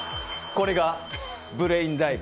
これがブレインダイブ！